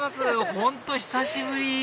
本当久しぶり！